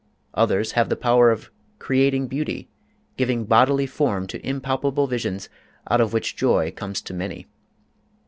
Others have the power of creating beauty, giving bodily form to impalpable visions out of which joy comes to many.